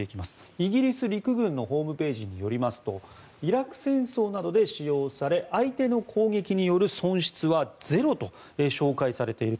イギリス陸軍のホームページによりますとイラク戦争などで使用され相手の攻撃による損失はゼロと紹介されていると。